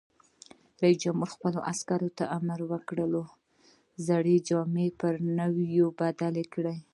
رئیس جمهور خپلو عسکرو ته امر وکړ؛ زړې جامې پر نوو بدلې کړئ!